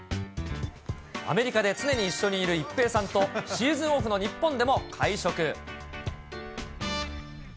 アメリカで常に一緒にいる一平さんと、シーズンオフの日本でも会食。